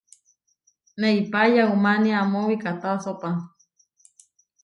Neipá yaumánia amó wikahtásopa.